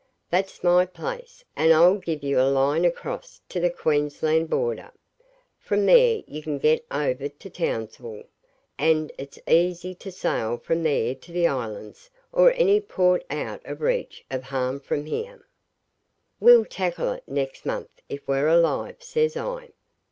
That's my place, and I'll give you a line across to the Queensland border. From there you can get over to Townsville, and it's easy to sail from there to the islands or any port out of reach of harm from here.' 'We'll tackle it next month if we're alive,' says I.